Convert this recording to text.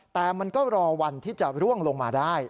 แต่มันก็รอวันที่จะร่วงลงมาได้